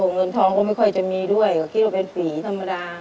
เงินทองก็ไม่ค่อยจะมีด้วยก็คิดว่าเป็นฝีธรรมดา